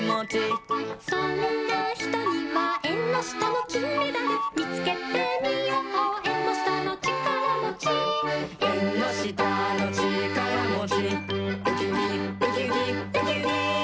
「そんなひとにはえんのしたのきんメダル」「みつけてみようえんのしたのちからもち」「えんのしたのちからもち」「ウキウキウキウキウキウキ」